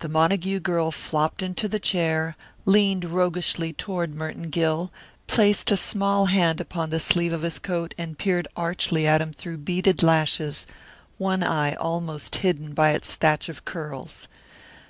The Montague girl flopped into the chair, leaned roguishly toward Merton Gill, placed a small hand upon the sleeve of his coat and peered archly at him through beaded lashes, one eye almost hidden by its thatch of curls.